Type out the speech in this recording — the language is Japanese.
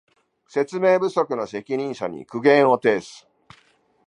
説明不足の責任者に苦言を呈す